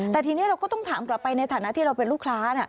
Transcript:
แต่ทีนี้เราก็ต้องถามกลับไปในฐานะที่เราเป็นลูกค้า